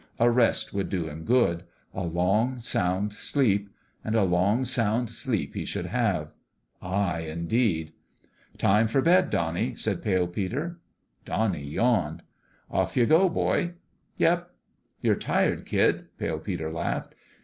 A rest would do him good a long, sound sleep. And a long, sound sleep he should have ! Ay, indeed !" Time for bed, Donnie," said Pale Peter. Donnie yawned. " Off you go, boy !" "Yep." " You're tired, kid," Pale Peter laughed.